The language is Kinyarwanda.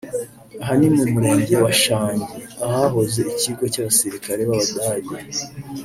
Aha ni mu Murenge wa Shangi ahahoze Ikigo cy’abasirikare b’Abadage